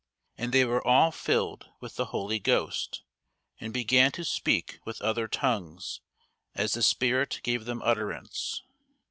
And they were all filled with the Holy Ghost, and began to speak with other tongues, as the Spirit gave them utterance.